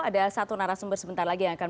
ada satu narasumber sebentar lagi yang akan